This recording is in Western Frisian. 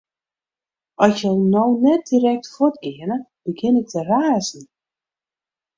At jo no net direkt fuort geane, begjin ik te razen.